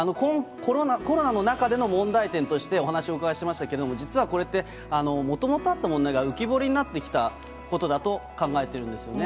コロナの中での問題点として、お話しをお伺いしましたけれども、実はこれって、もともとあった問題が浮き彫りになってきたことだと考えているんですよね。